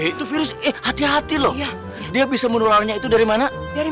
itu virus eh hati hati loh dia bisa menularnya itu dari mana